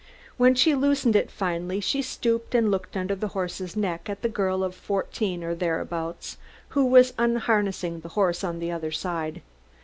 When she loosened it finally, she stooped and looked under the horse's neck at the girl of fourteen or thereabouts, who was unharnessing the horse on the other side.